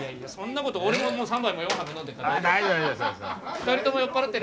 ２人とも酔っ払ってる。